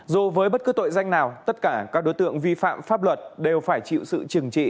dù với bất cứ tội danh nào tất cả các đối tượng vi phạm pháp luật đều phải chịu sự trừng trị